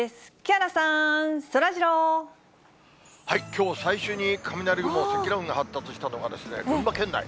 きょう最初に雷雲、積乱雲が発達したのが群馬県内。